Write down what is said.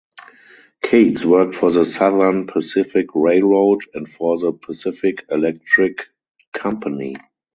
Cates worked for the Southern Pacific Railroad and for the Pacific Electric Company.